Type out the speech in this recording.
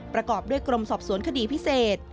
ประกอบด้วยกรมสอบสวนคดีพิเศษ